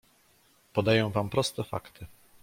"Podaję wam proste fakty."